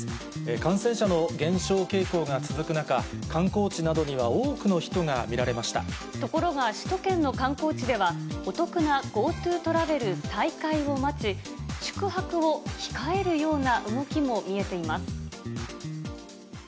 感染者の減少傾向が続く中、観光地などには多くの人が見られところが、首都圏の観光地では、お得なＧｏＴｏトラベル再開を待ち、宿泊を控えるような動きも見えています。